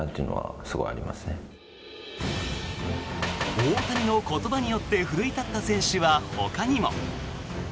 大谷の言葉によって奮い立った選手はほかにも。